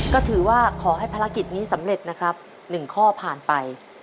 ก็ถือว่าขอให้ภารกิจนี้สำเร็จนะครับ๑ข้อผ่านไป